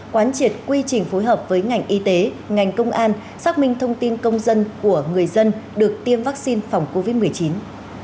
quán triệt quy trình phối hợp với ngành y tế ngành công an xác minh thông tin công dân của người dân được tiêm vaccine phòng covid một mươi chín